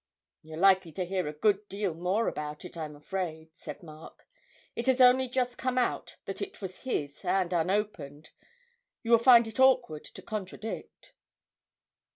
'You're likely to hear a good deal more about it, I'm afraid,' said Mark. 'It has only just come out that it was his, and unopened you will find it awkward to contradict.'